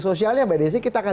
sebelum jadi wali kota